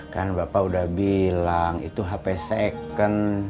kan bapak udah bilang itu hp second